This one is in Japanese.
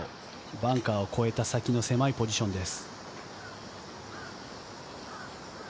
バンカーを越えた先の狭いポジションです。